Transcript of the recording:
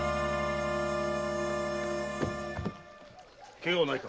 ケガはないか？